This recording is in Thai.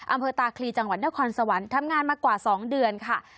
อำเภอตาคลีจังหวัดนครสวรรค์ทำงานมากว่า๒เดือนค่ะ